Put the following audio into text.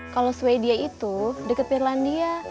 kalau sweden itu deket finlandia